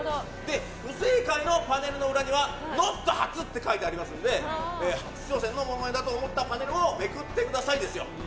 不正解のパネルの裏にはＮＯＴ初って書いてありますので初挑戦のモノマネだと思ったパネルをめくってください。